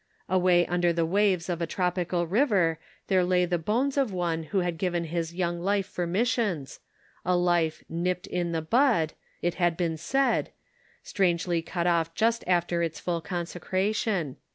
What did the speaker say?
Away under the waves of a tropical river there lay the bones of one who had given his young life for missions ; a life " nipped in the bud," it had been said, strangely cut off just 202 The Pocket Measure. after its full consecration.